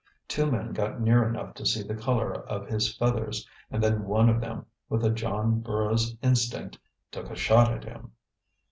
Two men got near enough to see the color of his feathers and then one of them, with a John Burroughs instinct, took a shot at him.